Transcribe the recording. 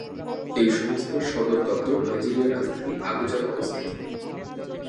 এই সংস্থার সদর দপ্তর নাইজেরিয়ার রাজধানী আবুজায় অবস্থিত।